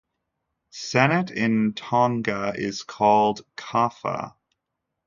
Sennit in Tonga is called kafa.